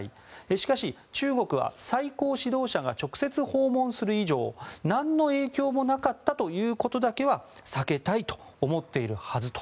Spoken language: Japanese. しかし、中国は最高指導者が直接訪問する以上なんの影響もなかったということだけは避けたいと思っているはずと。